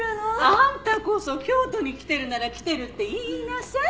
あんたこそ京都に来てるなら来てるって言いなさい。